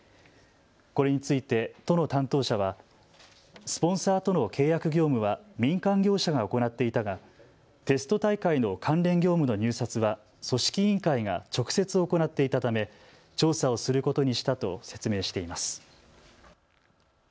これについて都の担当者は、スポンサーとの契約業務は民間業者が行っていたがテスト大会の関連業務の入札は組織委員会が直接行っていたため調査をすることにしたと説明しています。